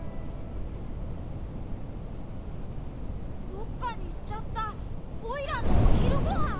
どっかにいっちゃったオイラのおひるごはん！？